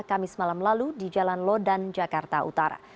kamis malam lalu di jalan lodan jakarta utara